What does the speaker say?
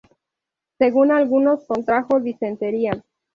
Según algunos, contrajo disentería.